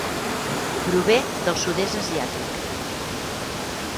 Prové del Sud-est asiàtic.